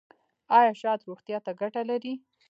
ایا شات روغتیا ته ګټه لري؟